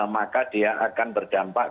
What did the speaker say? maka dia akan berdampak